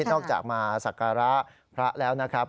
นอกจากมาสักการะพระแล้วนะครับ